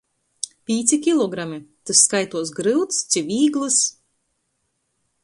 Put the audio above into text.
Pīci kilogrami – tys skaituos gryuts ci vīglys?